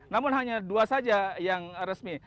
namun hanya dua saja yang resmi